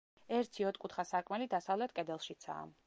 ერთი, ოთხკუთხა სარკმელი დასავლეთ კედელშიცაა.